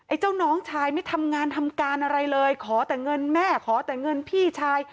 เจ้าน้องชายไม่ทำงานทำการอะไรเลยขอแต่เงินแม่ขอแต่เงินพี่ชาย